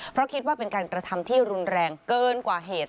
เพราะคิดว่าเป็นการกระทำที่รุนแรงเกินกว่าเหตุ